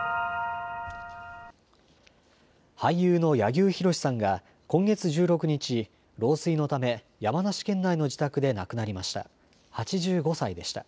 俳優の柳生博さんが今月１６日、老衰のため山梨県内の自宅で亡くなりました。